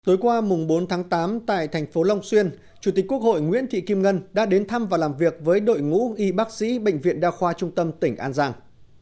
tối qua bốn tháng tám tại thành phố long xuyên chủ tịch quốc hội nguyễn thị kim ngân đã đến thăm và làm việc với đội ngũ y bác sĩ bệnh viện đa khoa trung tâm tỉnh an giang